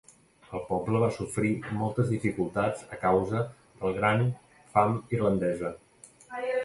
El poble va sofrir moltes dificultats a causa del Gran Fam Irlandesa.